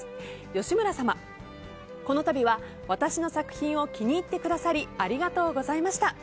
吉村様、このたびは私の作品を気に入ってくださりありがとうございました。